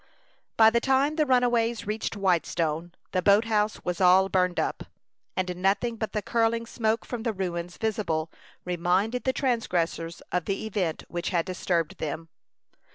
By the time the runaways reached Whitestone, the boat house was all burned up, and nothing but the curling smoke from the ruins visibly reminded the transgressors of the event which had disturbed them.